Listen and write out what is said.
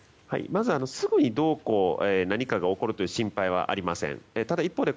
まず、すぐにどうこう何かが起こるという心配はありません。